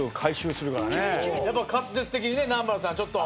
やっぱ滑舌的にね南原さんちょっと。